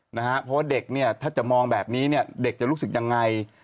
เพราะว่าเด็กถ้าจะมองแบบนี้เด็กจะรู้สึกยังไง